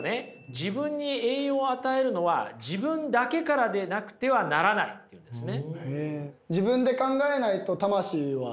自分に栄養を与えるのは自分だけからでなくてはならないって言うんですね。